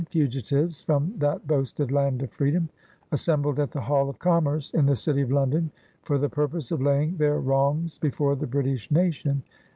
fugitives from that boasted land of freedom, as sembled at the Hall of Commerce, in the city of Lon don, for the purpose of laying their wrongs before the British nation, and.